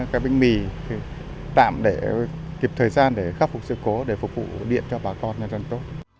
cái bánh mì thì tạm để kịp thời gian để khắc phục sự cố để phục vụ điện cho bà con nhanh chóng